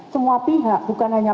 semua pihak bukan hanya